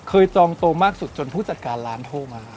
จองโตมากสุดจนผู้จัดการร้านโทรมา